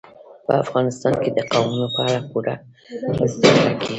په افغانستان کې د قومونه په اړه پوره زده کړه کېږي.